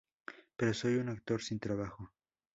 Pero soy un actor sin trabajo.